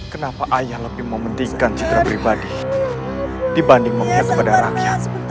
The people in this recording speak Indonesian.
kenapa ayah lebih mementingkan citra pribadi dibanding meminta kepada rakyat